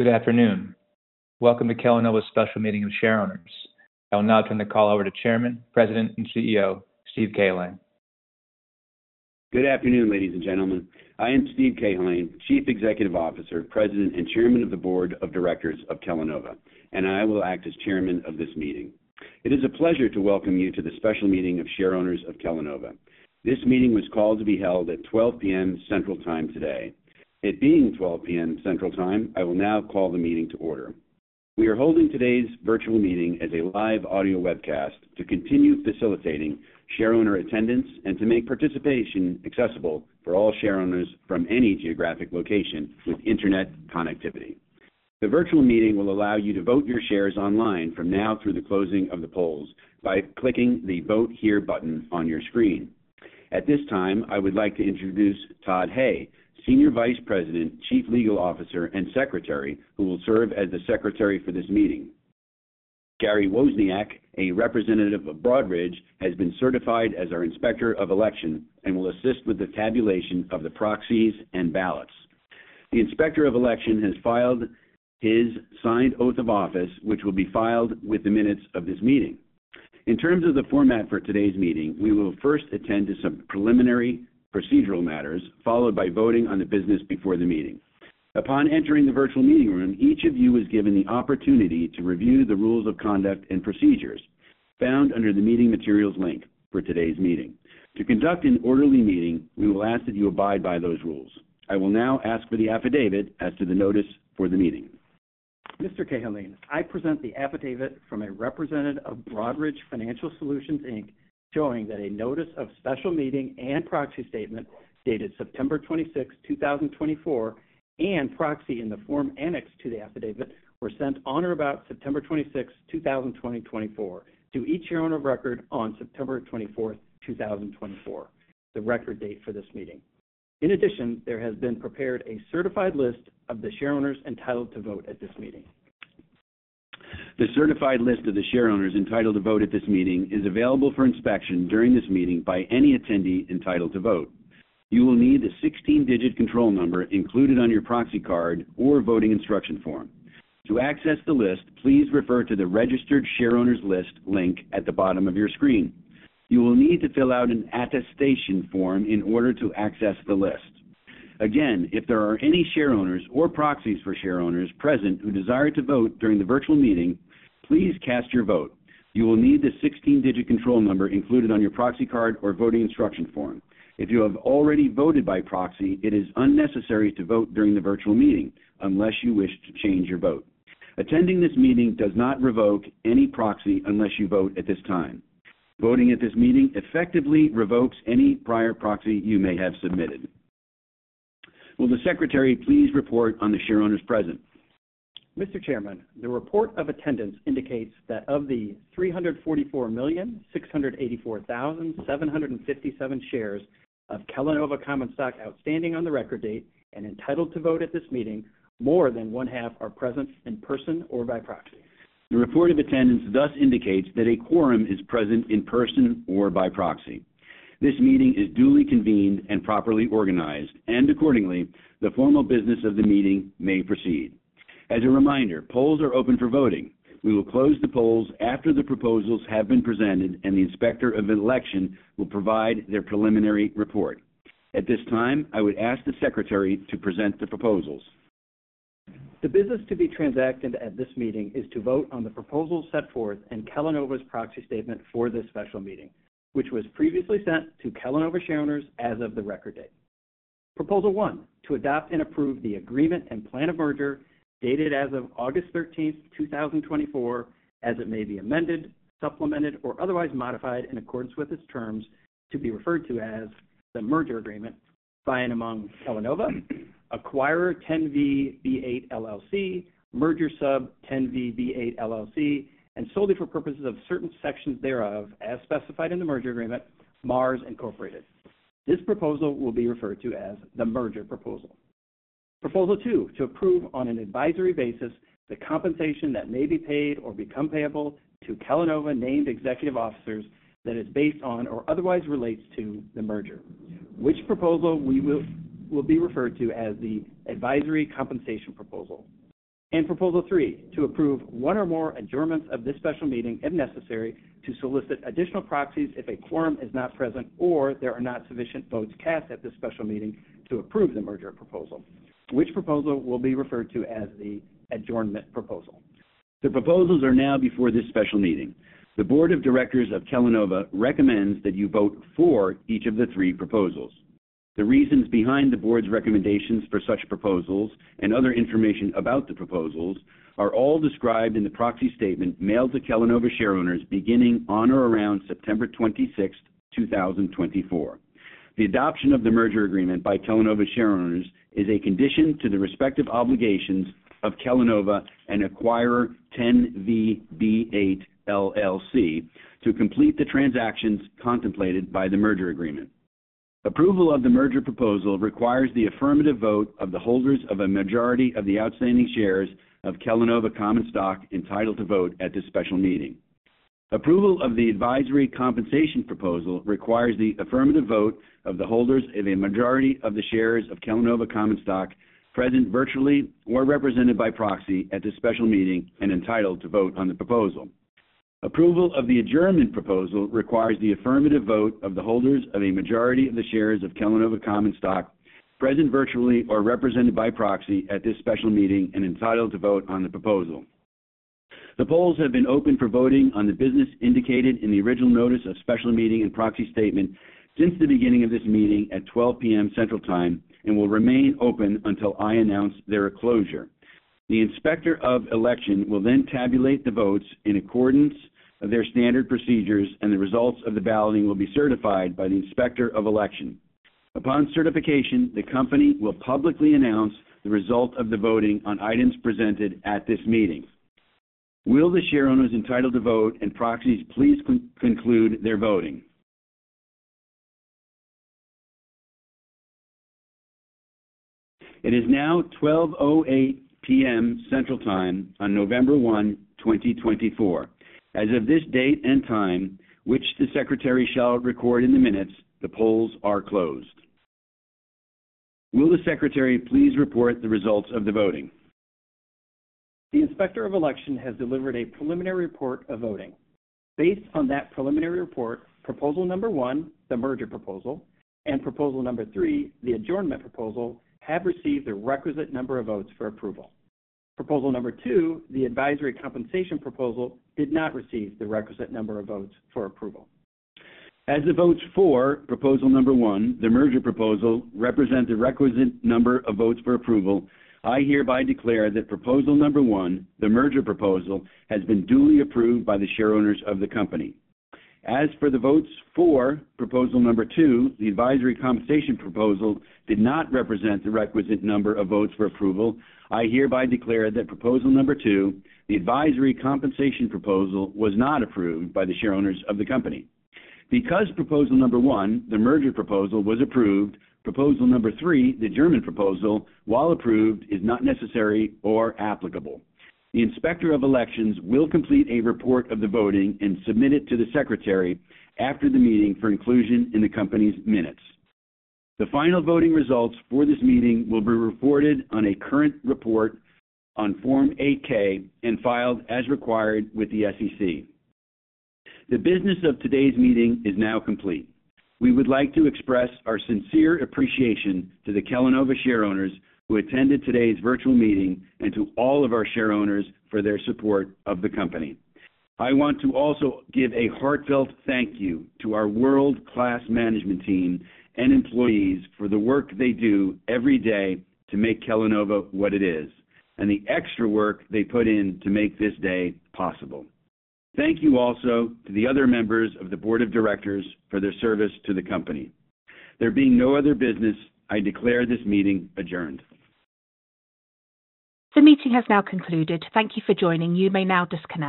Good afternoon. Welcome to Kellanova's special meeting of shareholders. I will now turn the call over to Chairman, President, and CEO, Steve Cahillane. Good afternoon, ladies and gentlemen. I am Steve Cahillane, Chief Executive Officer, President, and Chairman of the Board of Directors of Kellanova, and I will act as Chairman of this meeting. It is a pleasure to welcome you to the special meeting of shareholders of Kellanova. This meeting was called to be held at 12:00 P.M. Central Time today. It being 12:00 P.M. Central Time, I will now call the meeting to order. We are holding today's virtual meeting as a live audio webcast to continue facilitating shareholder attendance and to make participation accessible for all shareholders from any geographic location with internet connectivity. The virtual meeting will allow you to vote your shares online from now through the closing of the polls by clicking the "Vote Here" button on your screen. At this time, I would like to introduce Todd Hay, Senior Vice President, Chief Legal Officer, and Secretary, who will serve as the Secretary for this meeting. Gary Wozniak, a representative of Broadridge, has been certified as our Inspector of Election and will assist with the tabulation of the proxies and ballots. The Inspector of Election has filed his signed oath of office, which will be filed with the minutes of this meeting. In terms of the format for today's meeting, we will first attend to some preliminary procedural matters, followed by voting on the business before the meeting. Upon entering the virtual meeting room, each of you is given the opportunity to review the rules of conduct and procedures found under the meeting materials link for today's meeting. To conduct an orderly meeting, we will ask that you abide by those rules. I will now ask for the affidavit as to the notice for the meeting. Mr. Cahillane, I present the affidavit from a representative of of Financial Solutions, Inc., showing that a notice of special meeting and proxy statement dated September 26, 2024, and proxy in the form annexed to the affidavit were sent on or about September 26, 2024, to each shareholder of record on September 24, 2024, the record date for this meeting. In addition, there has been prepared a certified list of the shareholders entitled to vote at this meeting. The certified list of the shareholders entitled to vote at this meeting is available for inspection during this meeting by any attendee entitled to vote. You will need the 16-digit control number included on your proxy card or voting instruction form. To access the list, please refer to the Registered Shareholders List link at the bottom of your screen. You will need to fill out an attestation form in order to access the list. Again, if there are any shareholders or proxies for shareholders present who desire to vote during the virtual meeting, please cast your vote. You will need the 16-digit control number included on your proxy card or voting instruction form. If you have already voted by proxy, it is unnecessary to vote during the virtual meeting unless you wish to change your vote. Attending this meeting does not revoke any proxy unless you vote at this time. Voting at this meeting effectively revokes any prior proxy you may have submitted. Will the Secretary please report on the shareholders present? Mr. Chairman, the report of attendance indicates that of the 344,684,757 shares of Kellanova Common Stock outstanding on the record date and entitled to vote at this meeting, more than one half are present in person or by proxy. The report of attendance thus indicates that a quorum is present in person or by proxy. This meeting is duly convened and properly organized, and accordingly, the formal business of the meeting may proceed. As a reminder, polls are open for voting. We will close the polls after the proposals have been presented, and the Inspector of Election will provide their preliminary report. At this time, I would ask the Secretary to present the proposals. The business to be transacted at this meeting is to vote on the proposals set forth in Kellanova's a Proxy Statement for this special meeting, which was previously sent to Kellanova shareholders as of the record date. Proposal one: to adopt and approve the Agreement and Plan of Merger dated as of August 13, 2024, as it may be amended, supplemented, or otherwise modified in accordance with its terms to be referred to as the Merger Agreement by and among Kellanova, Acquirer 10VB8 LLC, Merger Sub 10VB8 LLC, and solely for purposes of certain sections thereof as specified in the Merger Agreement, Mars Incorporated. This proposal will be referred to as the Merger Pproposal. Proposal two: to approve on an advisory basis the compensation that may be paid or become payable to Kellanova named executive officers that is based on or otherwise relates to the merger, which proposal will be referred to as the advisory compensation proposal, and Proposal three: to approve one or more adjournments of this special meeting if necessary to solicit additional proxies if a quorum is not present or there are not sufficient votes cast at this special meeting to approve the Merger proposal, which proposal will be referred to as the adjournment proposal. The proposals are now before this special meeting. The Board of Directors of Kellanova recommends that you vote for each of the three proposals. The reasons behind the board's recommendations for such proposals and other information about the proposals are all described in the proxy statement mailed to Kellanova shareholders beginning on or around September 26, 2024. The adoption of the merger agreement by Kellanova shareholders is a condition to the respective obligations of Kellanova and Acquirer 10VB8 LLC to complete the transactions contemplated by the Merger Agreement. Approval of the merger proposal requires the affirmative vote of the holders of a majority of the outstanding shares of Kellanova Common Stock entitled to vote at this special meeting. Approval of the Advisory Compensation Proposal requires the affirmative vote of the holders of a majority of the shares of Kellanova Common Stock present virtually or represented by proxy at this special meeting and entitled to vote on the proposal. Approval of the Adjournment Proposal requires the affirmative vote of the holders of a majority of the shares of Kellanova Common Stock present virtually or represented by proxy at this special meeting and entitled to vote on the proposal. The polls have been open for voting on the business indicated in the original notice of special meeting and Proxy Statement since the beginning of this meeting at 12:00 P.M. Central Time and will remain open until I announce their closure. The Inspector of Election will then tabulate the votes in accordance with their standard procedures, and the results of the balloting will be certified by the Inspector of Election. Upon certification, the company will publicly announce the result of the voting on items presented at this meeting. Will the shareholders entitled to vote and proxies please conclude their voting? It is now 12:08 P.M. Central Time on November 1, 2024. As of this date and time, which the Secretary shall record in the minutes, the polls are closed. Will the Secretary please report the results of the voting? The Inspector of Election has delivered a preliminary report of voting. Based on that preliminary report, Proposal number one, the merger proposal, and Proposal number three, the adjournment proposal, have received the requisite number of votes for approval. Proposal number two, the advisory compensation proposal, did not receive the requisite number of votes for approval. As the votes for Proposal number one, the Merger proposal, represent the requisite number of votes for approval, I hereby declare that Proposal number one, the Merger proposal, has been duly approved by the shareholders of the company. As for the votes for Proposal number two, the advisory compensation proposal, did not represent the requisite number of votes for approval. I hereby declare that Proposal number two, the advisory compensation proposal, was not approved by the shareholders of the company. Because Proposal number one, the Merger proposal, was approved, Proposal number three, the adjournment proposal, while approved, is not necessary or applicable. The Inspector of Election will complete a report of the voting and submit it to the Secretary after the meeting for inclusion in the company's minutes. The final voting results for this meeting will be reported on a current report on Form 8-K and filed as required with the SEC. The business of today's meeting is now complete. We would like to express our sincere appreciation to the Kellanova shareholders who attended today's virtual meeting and to all of our shareholders for their support of the company. I want to also give a heartfelt thank you to our world-class management team and employees for the work they do every day to make Kellanova what it is and the extra work they put in to make this day possible. Thank you also to the other members of the Board of Directors for their service to the company. There being no other business, I declare this meeting adjourned. The meeting has now concluded. Thank you for joining. You may now disconnect.